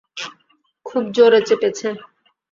খুব জোরে চেপেছে।